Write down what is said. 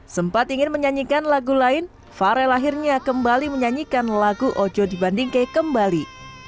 sempat ingin menyanyikan lagu lain farel akhirnya kembali menyanyikan lagu ojo di bandingke kembali